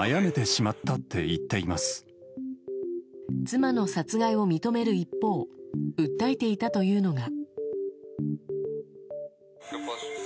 妻の殺害を認める一方訴えていたというのが。